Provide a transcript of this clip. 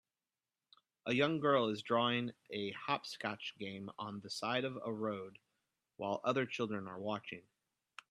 A young girl is drawing a hopscotch game on the side of a road while other children are watching